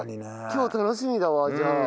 今日楽しみだわじゃあ。